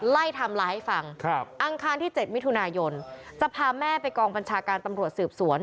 ไทม์ไลน์ให้ฟังอังคารที่๗มิถุนายนจะพาแม่ไปกองบัญชาการตำรวจสืบสวน